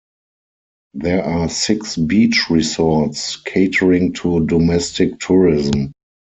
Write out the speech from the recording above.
There are six beach resorts catering to domestic tourism.